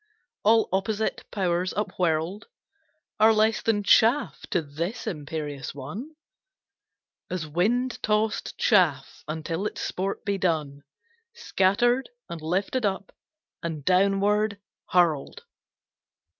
All opposite powers upwhirled Are less than chaff to this imperious one As wind tossed chaff, until its sport be done, Scattered, and lifted up, and downward hurled.